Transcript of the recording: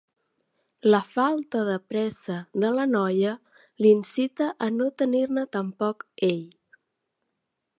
La falta de pressa de la noia l'incita a no tenir-ne tampoc ell.